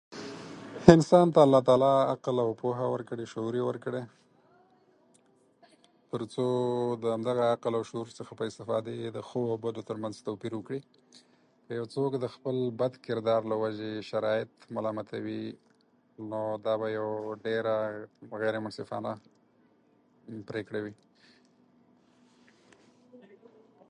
انسان ته الله تعالی پوهه ورکړې، شعور یې ورکړی، تر څو د همدغه عقل او شعور څخه په استفادې د ښو او بدو تر منځ توپیر وکړي. که یو څوک د خپل بد کردار له وجې شرایط ملامتوي، نو دا به یوه ډېره غیرمنصفانه پرېکړه وي.